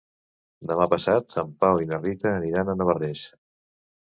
Demà passat en Pau i na Rita aniran a Navarrés.